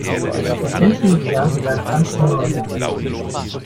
Was Hänschen nicht lernt, lernt Hans nimmermehr.